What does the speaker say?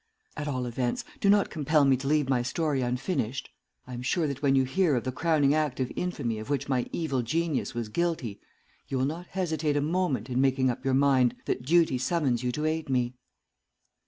At all events, do not compel me to leave my story unfinished. I am sure that when you hear of the crowning act of infamy of which my evil genius was guilty, you will not hesitate a moment in making up your mind that duty summons you to aid me."